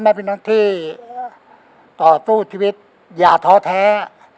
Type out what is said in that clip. พ่อแม่พี่น้ำที่ต่อตู้ชีวิตอย่าท้อแท้